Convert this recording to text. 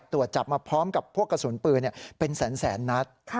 ตรวจจับมาพร้อมกับพวกกระสุนปืนเป็นแสนนัด